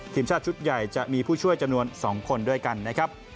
ทีมชาติชุดใหญ่จะมีผู้ช่วยจำนวน๒คนด้วยกันนะครับ